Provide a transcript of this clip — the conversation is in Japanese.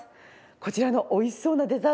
こちらの美味しそうなデザート